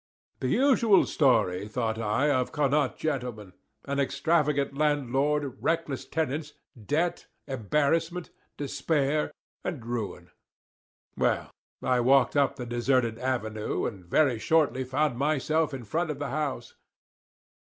The usual story, thought I, of Connaught gentlemen; an extravagant landlord, reckless tenants, debt, embarrassment, despair, and ruin. Well, I walked up the deserted avenue, and very shortly found myself in front of the house.